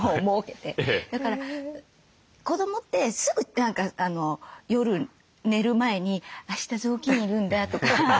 だから子どもってすぐ何か夜寝る前に「あした雑巾要るんだ」とか。